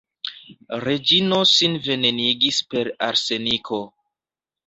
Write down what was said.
Reĝino sin venenigis per arseniko.